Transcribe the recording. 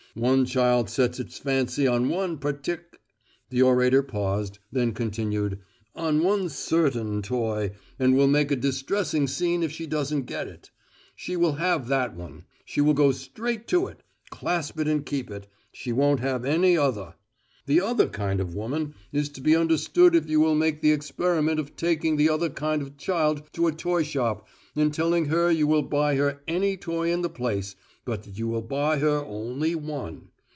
One child sets its fancy on one partic" the orator paused, then continued "on one certain toy and will make a distressing scene if she doesn't get it: she will have that one; she will go straight to it, clasp it and keep it; she won't have any other. The other kind of woman is to be understood if you will make the experiment of taking the other kind of child to a toy shop and telling her you will buy her any toy in the place, but that you will buy her only one.